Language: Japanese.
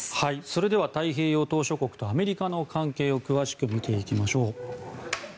それでは太平洋島しょ国とアメリカの関係を詳しく見ていきましょう。